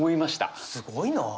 すごいなあ。